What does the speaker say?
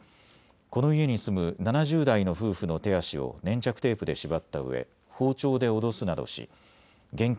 この家に住む７０代の夫婦の手足を粘着テープで縛ったうえ包丁で脅すなどし現金